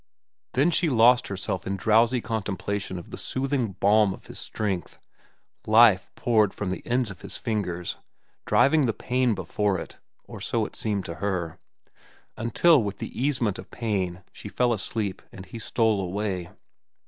Then she lost herself in drowsy contemplation of the soothing balm of his strength: Life poured from the ends of his fingers, driving the pain before it, or so it seemed to her, until with the easement of pain, she fell asleep and he stole away.